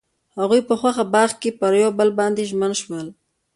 هغوی په خوښ باغ کې پر بل باندې ژمن شول.